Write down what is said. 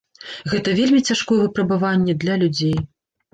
Гэта вельмі цяжкое выпрабаванне для людзей.